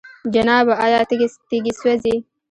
جنابه! آيا تيږي سوزي؟